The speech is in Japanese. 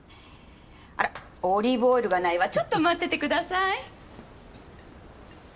あらオリーブオイルがないわちょっと待っててください。